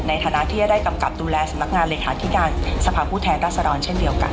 ในฐานะที่จะได้กำกับดูแลสำนักงานเลขาธิการสภาพผู้แทนรัศดรเช่นเดียวกัน